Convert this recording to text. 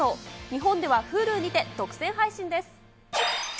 日本ではＨｕｌｕにて独占配信です。